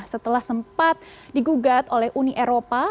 setelah sempat digugat oleh uni eropa